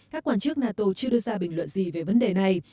các quan chức nato chưa đưa ra bình luận gì về vấn đề này